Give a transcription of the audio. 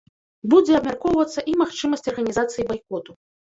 Будзе абмяркоўвацца і магчымасць арганізацыі байкоту.